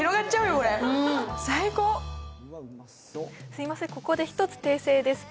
すみません、ここで一つ修正です。